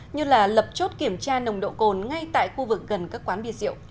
như là lập chốt kiểm tra nồng độ cồn ngay tại khu vực gần các quán bia rượu